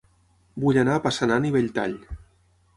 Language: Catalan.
Vull anar a Passanant i Belltall